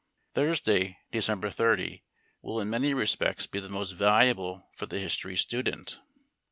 Thursday, December 30, will in many respects be the most valuable for the history student.